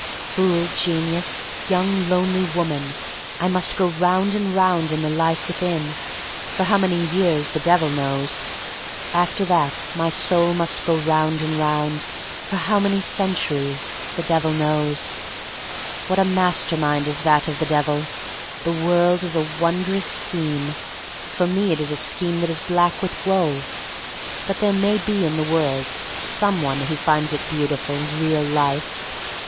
Fool, genius, young lonely woman — I must go round and round in the life within, for how many years the Devil knows. After that my soul must go round and round, for how many cenr turies the Devil knows. What a master mind is that of the Devil! The world is a wondrous scheme. For me it is a scheme that is black with woe. But there may be in the world some one who finds it beauti ful Real Life.